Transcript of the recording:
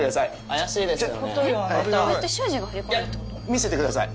いや見せてください。